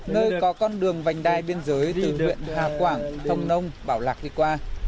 nơi có con đường vành đai biên giới từ huyện hà quảng hồng nông bảo lạc đi qua